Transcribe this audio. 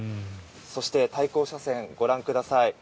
そして対向車線、ご覧ください。